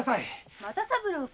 又三郎か。